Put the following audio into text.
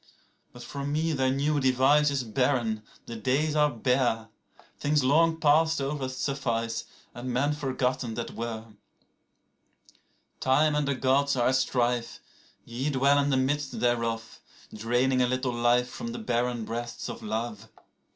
17But for me their new device is barren, the days are bare;18Things long past over suffice, and men forgotten that were.19Time and the Gods are at strife; ye dwell in the midst thereof,20Draining a little life from the barren breasts of love.